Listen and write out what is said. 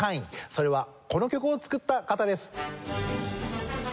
それはこの曲を作った方です。